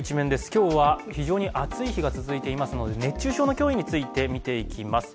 今日は非常に暑い日が続いていますので、熱中症の脅威について見ていきます。